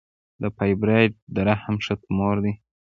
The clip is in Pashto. د فایبروایډ د رحم ښه تومور دی.